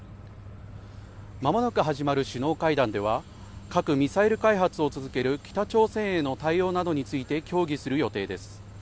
間もなく始まる首脳会談では核・ミサイル開発を続ける北朝鮮への対応などについて協議する予定です。